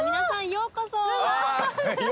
ようこそ。